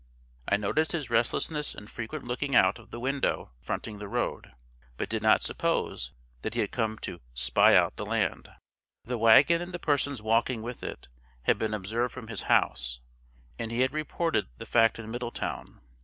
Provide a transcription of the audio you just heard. I noticed his restlessness and frequent looking out of the window fronting the road; but did not suppose, that he had come "to spy out the land." The wagon and the persons walking with it, had been observed from his house, and he had reported the fact in Middletown.